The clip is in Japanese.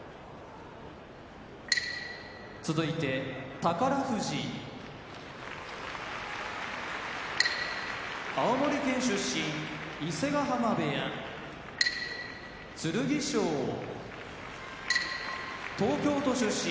宝富士青森県出身伊勢ヶ濱部屋剣翔東京都出身